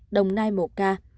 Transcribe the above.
đồng nai một ca